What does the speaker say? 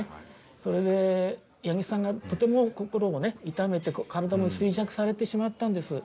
それで八木さんがとても心をね痛めて体も衰弱されてしまったんです。